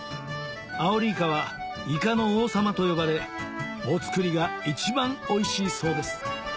アオリイカはイカの王様と呼ばれお造りが一番おいしいそうです